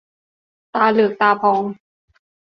ตาเหลือกตาพอง